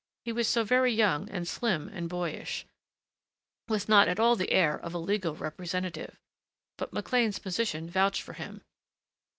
He was so very young and slim and boyish ... with not at all the air of a legal representative.... But McLean's position vouched for him.